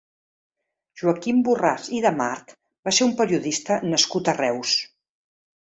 Joaquim Borràs i de March va ser un periodista nascut a Reus.